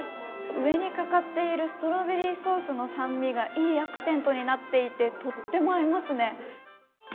上にかかっているストロベリーソースの酸味がいいアクセントになっていて、とっても合いますね。